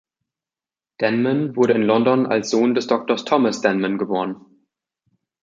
Denman wurde in London als Sohn des Doktors Thomas Denman geboren.